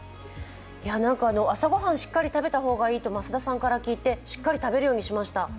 朝御飯、しっかり食べた方がいいと増田さんから聞いてしっかり食べるようにしました。